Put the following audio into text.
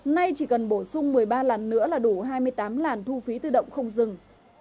nay chỉ cần bổ sung một mươi ba làn nữa là đủ hai mươi tám làn thu phí tự động không dừng